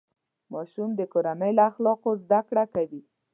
ماشوم د کورنۍ له اخلاقو زده کړه کوي.